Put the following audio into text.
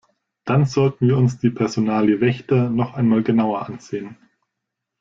Dann sollten wir uns die Personalie Wächter noch einmal genauer ansehen.